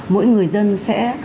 mỗi người dân sẽ